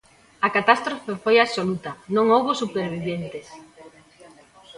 A catástrofe foi absoluta, non houbo superviventes.